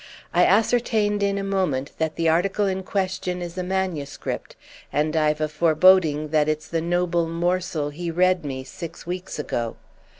I ascertained in a moment that the article in question is a manuscript, and I've a foreboding that it's the noble morsel he read me six weeks ago.